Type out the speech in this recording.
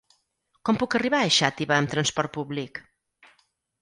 Com puc arribar a Xàtiva amb transport públic?